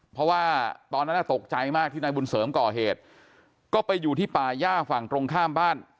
เพราะว่าตอนนั้นตกใจมากที่นายบุญเสริมก่อเหตุก็ไปอยู่ที่ป่าย่าฝั่งตรงข้ามบ้าน